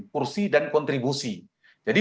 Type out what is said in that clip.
kursi dan kontribusi jadi